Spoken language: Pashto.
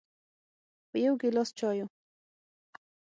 په یو ګیلاس چایو